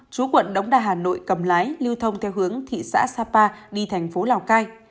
chú quận đống đa hà nội cầm lái lưu thông theo hướng thị xã sapa đi thành phố lào cai